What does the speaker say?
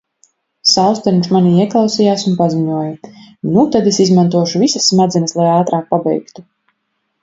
Saulstariņš manī ieklausījās un paziņoja:" Nu tad es izmantošu visas smadzenes, lai ātrāk pabeigtu."